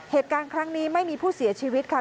เหตุการณ์ครั้งนี้ไม่มีผู้เสียชีวิตค่ะ